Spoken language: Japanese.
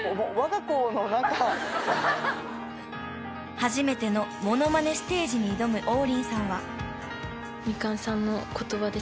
［初めてのモノマネステージに挑む王林さんは］